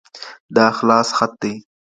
دا خلاص خط دئ.